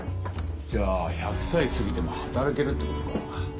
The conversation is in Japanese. じゃあ１００歳過ぎても働けるってことか。